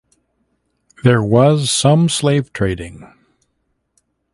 There was some slave trading.